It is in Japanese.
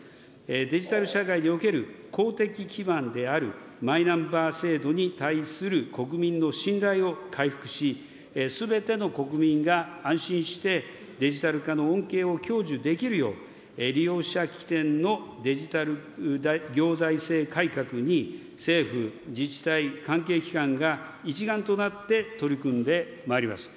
デジタル社会における公的基盤であるマイナンバー制度に対する国民の信頼を回復し、すべての国民が安心してデジタル化の恩恵を享受できるよう、利用者起点のデジタル行財政改革に政府、自治体、関係機関が一丸となって取り組んでまいります。